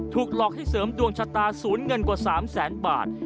หลอกให้เสริมดวงชะตาศูนย์เงินกว่า๓แสนบาท